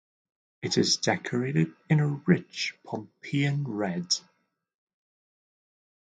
It is decorated in a rich 'Pompeian' red.